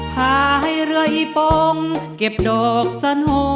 ภายเรื่อยปงเก็บดอกสโน